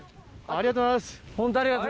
ありがとうございます。